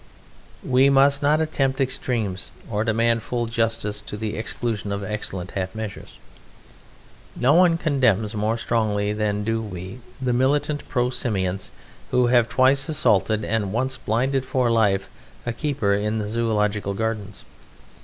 We must not attempt extremes or demand full justice to the exclusion of excellent half measures. No one condemns more strongly than do we the militant pro Simians who have twice assaulted and once blinded for life a keeper in the Zoological Gardens.